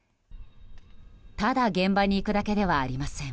ただ現場に行くだけではありません。